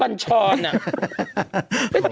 มันเหมือนอ่ะ